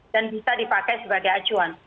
dan bisa dipakai sebagai acuan